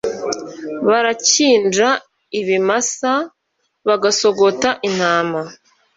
barakinja ibimasa, bagasogota intama,